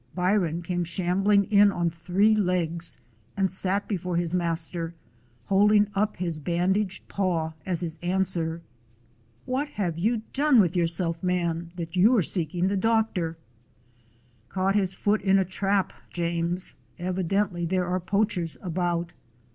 Byron came shambling in on three legs, and sat before his master, holding up his bandaged paw as his answer. 127 DOG HEROES OF MANY LANDS "What have you done with yourself, man, that you 're seeking the doctor?" "Caught his foot in a trap, James. Evi dently there are poachers about."